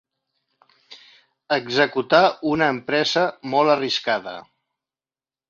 Executar una empresa molt arriscada.